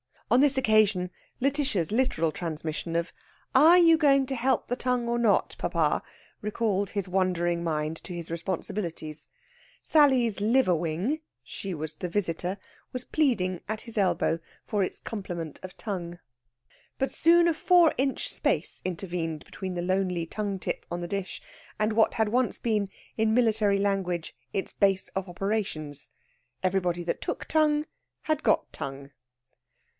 On this occasion Lætitia's literal transmission of "Are you going to help the tongue or not, papa?" recalled his wandering mind to his responsibilities. Sally's liver wing she was the visitor was pleading at his elbow for its complement of tongue. But soon a four inch space intervened between the lonely tongue tip on the dish and what had once been, in military language, its base of operations. Everybody that took tongue had got tongue.